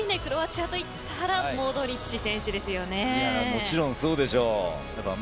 大久保さん、やはりクロアチアと言ったらもちろん、そうでしょう。